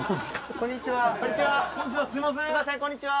「こんにちは」